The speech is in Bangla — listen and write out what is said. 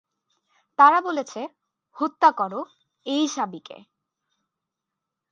তারা বলছে, হত্যা কর এই সাবীকে।